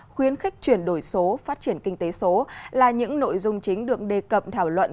khuyến khích chuyển đổi số phát triển kinh tế số là những nội dung chính được đề cập thảo luận